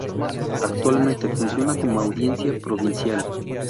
Actualmente funciona como Audiencia Provincial.